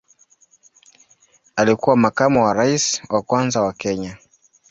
Alikuwa makamu wa rais wa kwanza wa Kenya.